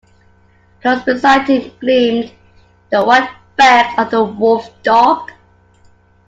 Close beside him gleamed the white fangs of the wolf-dog.